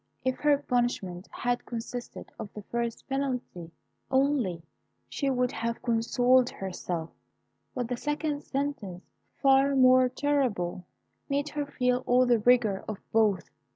If her punishment had consisted of the first penalty only, she would have consoled herself; but the second sentence, far more terrible, made her feel all the rigour of both.